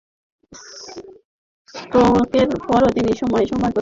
স্ট্রোকের পরেও তিনি সময়ে সময়ে প্রকাশ্যে এসেছিলেন।